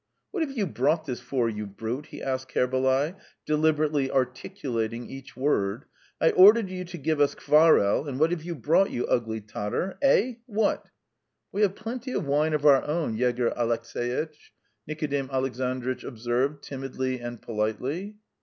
"What have you brought this for, you brute?" he asked Kerbalay, deliberately articulating each word. "I ordered you to give us kvarel, and what have you brought, you ugly Tatar? Eh? What?" "We have plenty of wine of our own, Yegor Alekseitch," Nikodim Alexandritch observed, timidly and politely.